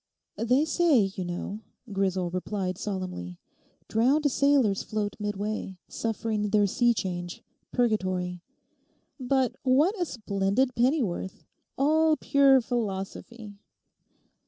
'They say, you know,' Grisel replied solemnly, 'drowned sailors float midway, suffering their sea change; purgatory. But what a splendid pennyworth. All pure philosophy!